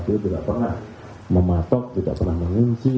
kpu tidak pernah mematok tidak pernah mengunci